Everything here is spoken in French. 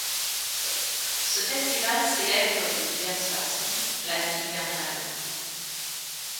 Ce festival célèbre de diverses façons, la vie hivernale.